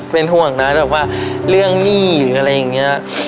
เป็นห่วงนะแบบว่าเรื่องหนี้หรืออะไรอย่างนี้